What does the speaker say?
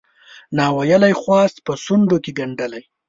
ناویلی خواست په شونډوکې ګنډلی